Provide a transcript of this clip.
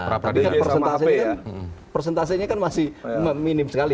tapi kan persentasenya kan masih minim sekali